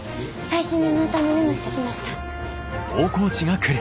最新のノータムメモしてきました。